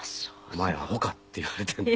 「お前アホか」って言われてね。